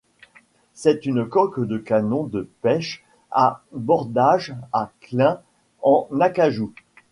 C'est une coque de canot de pêche à bordages à clin en acajou.